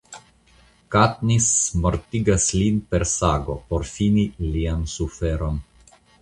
Katniss mortigas lin per sago por fini lian suferon.